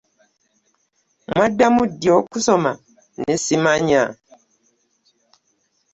Mwaddamu ddi okusoma ne ssimanya?